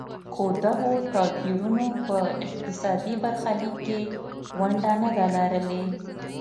خو دغو توپیرونو په اقتصادي برخلیک کې ونډه نه ده لرلې.